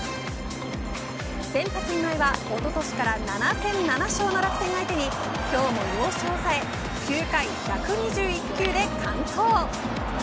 先発今井はおととしから７戦７勝の楽天相手に今日も要所を抑え９回１２１球で完投。